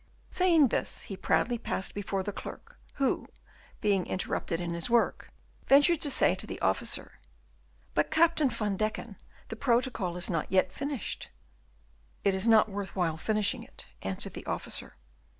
Saying this, he passed proudly before the clerk, who, being interrupted in his work, ventured to say to the officer, "But, Captain van Deken, the protocol is not yet finished." "It is not worth while finishing it," answered the officer.